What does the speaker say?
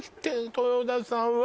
豊田さんは！